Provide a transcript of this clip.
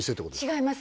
違います